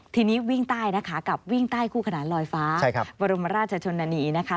ทีนี้วิ่งใต้นะคะกับวิ่งใต้คู่ขนานลอยฟ้าบรมราชชนนานีนะคะ